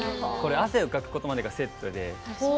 汗をかくことまでがセットで。